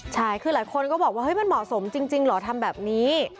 ใช่คือหลายคนก็บอกว่าเฮ้ยมันเหมาะสมจริงเหรอทำแบบนี้